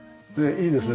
いいですね